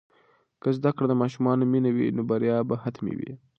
که زده کړه د ماشومانو مینه وي، نو بریا به حتمي وي.